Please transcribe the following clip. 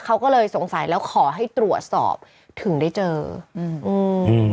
เขาก็เลยสงสัยแล้วขอให้ตรวจสอบถึงได้เจออืมอืม